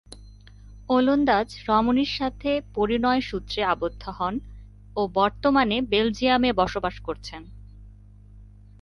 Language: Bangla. ওলন্দাজ রমণীর সাথে পরিণয় সূত্রে আবদ্ধ হন ও বর্তমানে বেলজিয়ামে বসবাস করছেন।